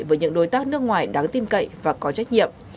với những đối tác nước ngoài đáng tin cậy và có trách nhiệm